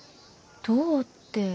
どうって。